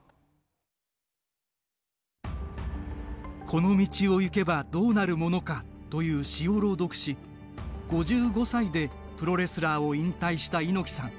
「この道を行けばどうなるものか」という詩を朗読し５５歳でプロレスラーを引退した猪木さん。